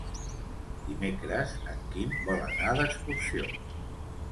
Dimecres en Quim vol anar d'excursió.